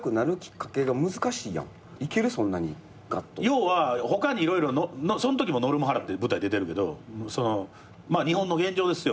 要は他に色々そんときもノルマ払って舞台出てるけど日本の現状ですよ